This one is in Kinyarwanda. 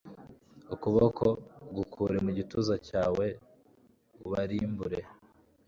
ukuboko gukure mu gituza cyawe ubarimbure